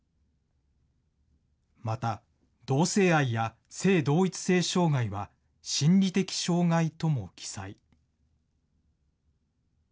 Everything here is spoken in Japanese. また、同性愛や性同一性障害は、心理的障害とも記載。